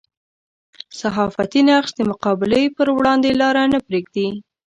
صحافتي نقش د مقابلې پر وړاندې لاره نه پرېږدي.